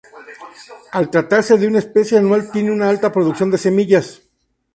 Al tratarse de una especie anual tiene una alta producción de semillas.